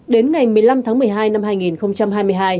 đến ngày một mươi năm tháng một mươi hai năm hai nghìn hai mươi hai